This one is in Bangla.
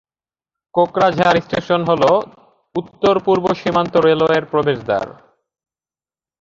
কোকড়াঝাড় স্টেশন হল উত্তর-পূব সীমান্ত রেলওয়ের প্রবেশদ্বার।